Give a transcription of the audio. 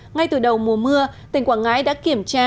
ngay từ đầu mùa mưa tỉnh quảng ngãi đã kiểm tra